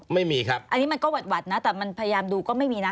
ไม่มีครับอันนี้มันก็หวัดนะแต่มันพยายามดูก็ไม่มีนะ